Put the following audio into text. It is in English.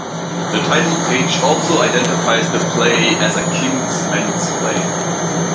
The title page also identifies the play as a King's Men's play.